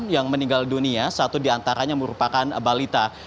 yang meninggal dunia satu di antaranya merupakan balita